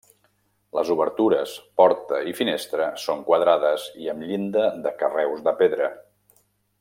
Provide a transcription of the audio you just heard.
Les obertures, porta i finestra, són quadrades i amb llinda de carreus de pedra.